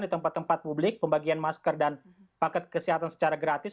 di tempat tempat publik pembagian masker dan paket kesehatan secara gratis